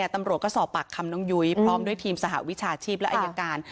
ตำรวจก็สอบปากคำน้องยุ้ยพร้อมด้วยทีมสหวิชาชีพและอายการ